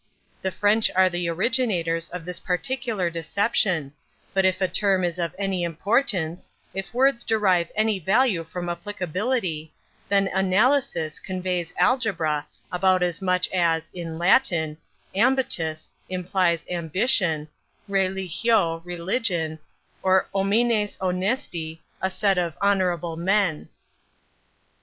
The French are the originators of this particular deception; but if a term is of any importance—if words derive any value from applicability—then 'analysis' conveys 'algebra' about as much as, in Latin, 'ambitus' implies 'ambition,' 'religio' 'religion,' or 'homines honesti' a set of honorable men."